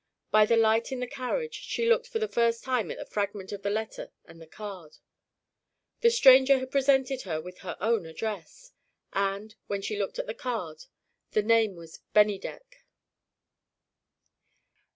By the light in the carriage she looked for the first time at the fragment of the letter and the card. The stranger had presented her with her own address! And, when she looked at the card, the name was Bennydeck!